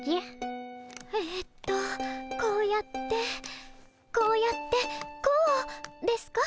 ええとこうやってこうやってこうですか？